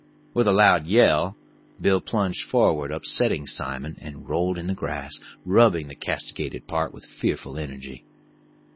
With a loud yell, Bill plunged forward, upsetting Simon, and rolled in the grass, rubbing the castigated part with fearful energy.